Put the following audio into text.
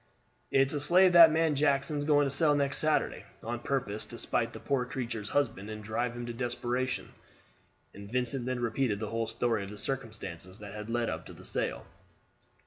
"It's a slave that man Jackson is going to sell next Saturday, on purpose to spite the poor creature's husband and drive him to desperation," and Vincent then repeated the whole story of the circumstances that had led up to the sale.